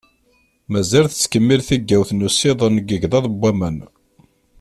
Mazal tettkemmil tigawt n usiḍen n yigḍaḍ n waman.